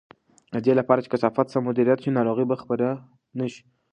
د دې لپاره چې کثافات سم مدیریت شي، ناروغۍ به خپرې نه شي.